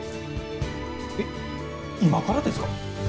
えっ今からですか？